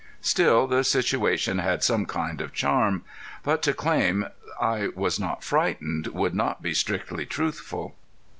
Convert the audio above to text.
Still the situation had some kind of charm. But to claim I was not frightened would not be strictly truthful.